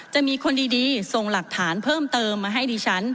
จะมีคนดีส่งหลักฐานเพิ่มเติมมาให้ดิฉัน